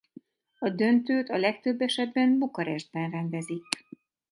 A döntőt a legtöbb esetben Bukarestben rendezik.